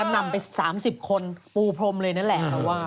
นำไป๓๐คนปูพรมเลยนั่นแหละ